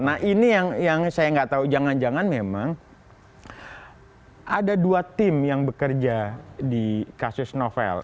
nah ini yang saya nggak tahu jangan jangan memang ada dua tim yang bekerja di kasus novel